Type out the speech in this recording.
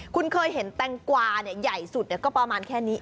คุณเคยเห็นแตงกวาใหญ่สุดก็ประมาณแค่นี้